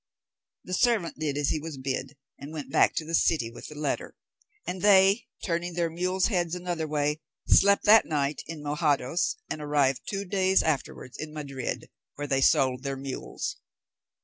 The servant did as he was bid, and went back to the city with the letter; and they, turning their mules' heads another way, slept that night in Mojados, and arrived two days afterwards in Madrid, where they sold their mules.